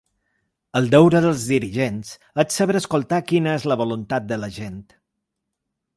El deure dels dirigents és saber escoltar quina és la voluntat de la gent.